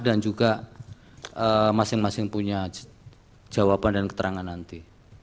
dan juga masing masing punya jawaban dan keterangan nanti